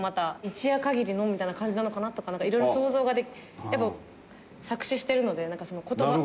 一夜限りのみたいな感じなのかなとか色々想像がやっぱ作詞してるのでなんかその言葉。